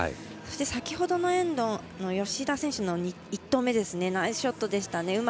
そして、先ほどのエンドの吉田選手の１投目はナイスショットでしたね。